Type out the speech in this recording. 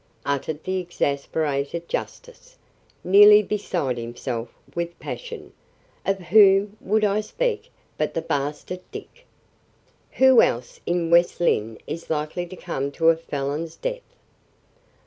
uttered the exasperated justice, nearly beside himself with passion; "of whom would I speak but the bastard Dick! Who else in West Lynne is likely to come to a felon's death?"